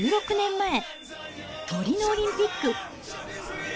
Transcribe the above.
１６年前、トリノオリンピック。